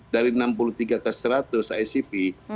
dari enam puluh tiga ke seratus icp